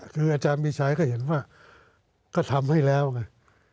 คืออาจารย์มีชัยก็เห็นว่าก็ทำให้แล้วไง